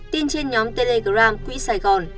tin trên nhóm telegram quỹ sài gòn